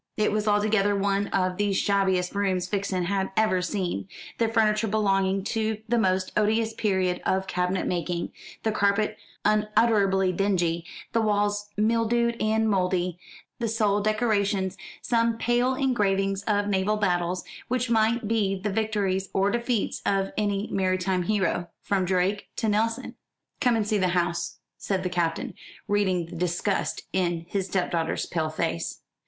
It was altogether one of the shabbiest rooms Vixen had ever seen the furniture belonging to the most odious period of cabinet making, the carpet unutterably dingy, the walls mildewed and mouldy, the sole decorations some pale engravings of naval battles, which might be the victories or defeats of any maritime hero, from Drake to Nelson. "Come and see the house," said the Captain, reading the disgust in his stepdaughter's pale face.